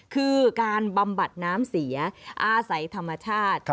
คือการบำบัดน้ำเสียอาศัยธรรมชาติ